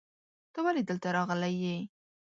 ته ولې دلته راغلی یې؟